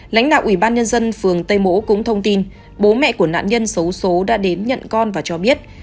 lãnh đạo ủy ban nhân dân phường tây mỗ cũng thông tin bố mẹ của nạn nhân xấu xố đã đến nhận con và cho biết